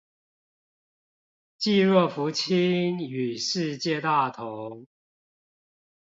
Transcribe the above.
濟弱扶傾與世界大同